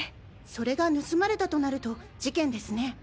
それが盗まれたとなると事件ですね。